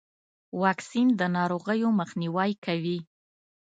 واکسین د ناروغیو مخنیوی کوي.